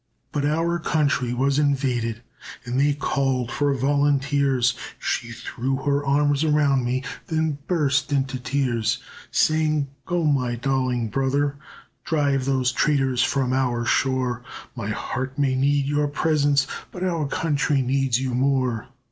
"But our country was invaded And they called for volunteers; She threw her arms around me, Then burst into tears, Saying, 'Go, my darling brother, Drive those traitors from our shore, My heart may need your presence, But our country needs you more.'